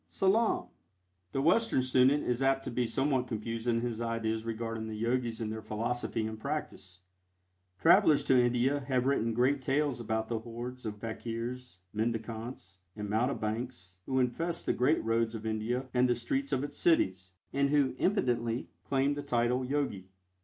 SALAAM. The Western student is apt to be somewhat confused in his ideas regarding the Yogis and their philosophy and practice. Travelers to India have written great tales about the hordes of fakirs, mendicants and mountebanks who infest the great roads of India and the streets of its cities, and who impudently claim the title "Yogi."